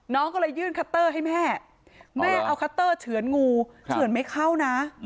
น้องก็เลยยื่นคัตเตอร์ให้แม่แม่เอาคัตเตอร์เฉือนงูเฉือนไม่เข้านะ